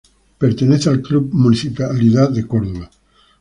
Pertenece al club Municipalidad de Córdoba.